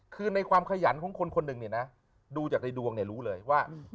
คือในความขยันของคนคนหนึ่งเนี่ยนะดูจากในดวงเนี่ยรู้เลยว่า